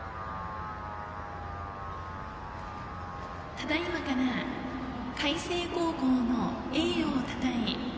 ただいまから海星高校の栄誉をたたえ